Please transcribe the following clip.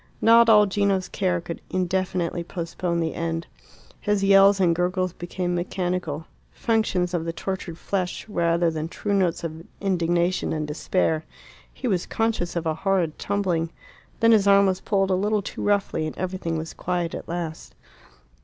Not all Gino's care could indefinitely postpone the end. His yells and gurgles became mechanical functions of the tortured flesh rather than true notes of indignation and despair. He was conscious of a horrid tumbling. Then his arm was pulled a little too roughly, and everything was quiet at last.